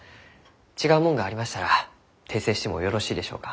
違うもんがありましたら訂正してもよろしいでしょうか？